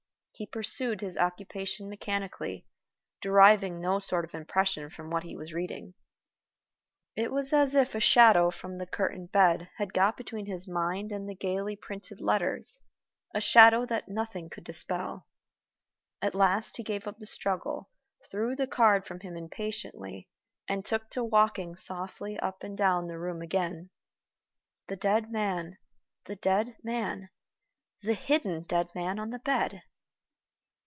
He pursued his occupation mechanically, deriving no sort of impression from what he was reading. It was as if a shadow from the curtained bed had got between his mind and the gayly printed letters a shadow that nothing could dispel. At last he gave up the struggle, threw the card from him impatiently, and took to walking softly up and down the room again. The dead man, the dead man, the hidden dead man on the bed!